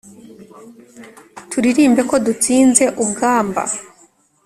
Turirimbe ko dutsinze ugamba